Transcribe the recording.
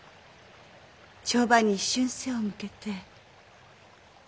帳場に一瞬背を向けて。